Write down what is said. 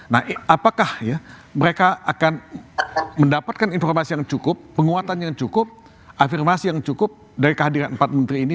nah apakah ya mereka akan mendapatkan informasi yang cukup penguatan yang cukup afirmasi yang cukup dari kehadiran empat menteri ini